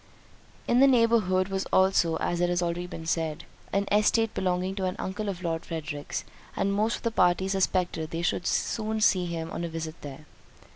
In the neighbourhood was also (as it has been already said) an estate belonging to an uncle of Lord Frederick's, and most of the party suspected they should soon see him on a visit there.